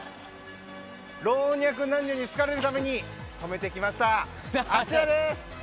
老若男女に好かれるために染めてきました。